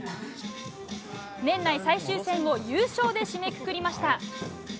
年内最終戦を優勝で締めくくりました。